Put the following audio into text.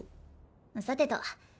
さてと。